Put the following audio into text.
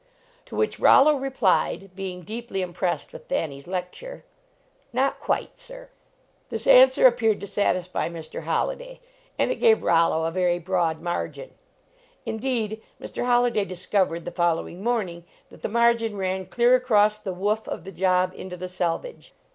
To which Rollo replied, being deeply im pressed with Thanny s lecture: "Not quite, sir." This answer appeared to satisfy Mr. Holli day, and it gave Rollo a very broad margin. Indeed, Mr. Holliday discovered, the follow ing morning, that the margin ran clear across the woof of the job into the selvedge.